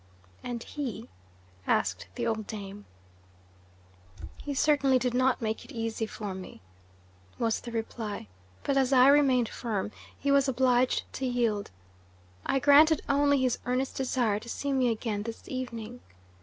"And he?" asked the old dame. "He certainly did not make it easy for me," was the reply, "but as I remained firm, he was obliged to yield. I granted only his earnest desire to see me again this evening.